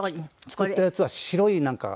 作ったやつは白いなんか。